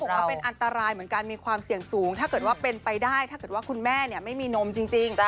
ว่าเป็นอันตรายเหมือนกันมีความเสี่ยงสูงถ้าเกิดว่าเป็นไปได้ถ้าเกิดว่าคุณแม่ไม่มีนมจริง